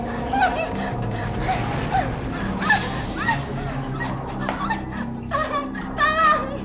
ang teddy awak benar